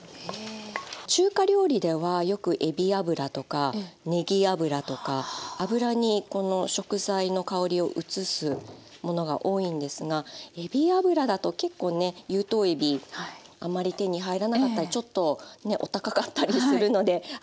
中華料理ではよくえび油とかねぎ油とか油にこの食材の香りを移すものが多いんですがえび油だと結構ね有頭えびあまり手に入らなかったりちょっとねお高かったりするのであ